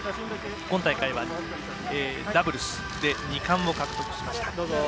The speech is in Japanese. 今大会はダブルスで２冠も獲得しました。